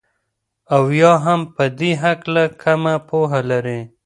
او يا هم په دي هكله كمه پوهه لري